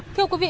thưa quý vị